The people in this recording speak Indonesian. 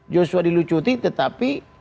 joshua dilucuti tetapi